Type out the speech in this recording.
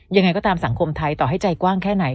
ยังไงก็ตามสังคมไทยต่อให้ใจกว้างแค่ไหน